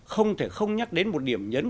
không thể không nhắc đến một điểm nhấn